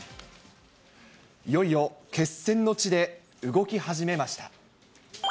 いよいよ決戦の地で、動き始めました。